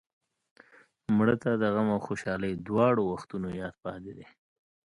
مړه ته د غم او خوشحالۍ دواړو وختونو یاد پاتې دی